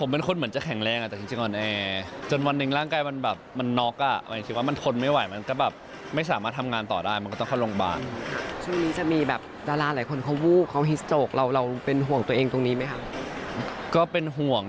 เพราะว่าที่ผ่านมาเนี่ยเห็นหลายคนเป็น